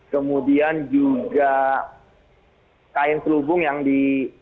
kemudian juga kain selubung yang di